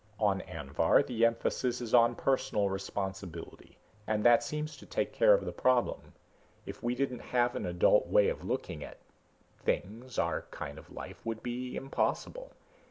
On Anvhar the emphasis is on personal responsibility, and that seems to take care of the problem. If we didn't have an adult way of looking at ... things, our kind of life would be impossible.